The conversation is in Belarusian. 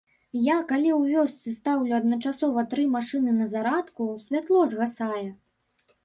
Я, калі ў вёсцы стаўлю адначасова тры машыны на зарадку, святло згасае.